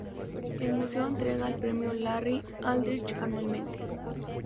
El museo entrega el Premio Larry Aldrich anualmente.·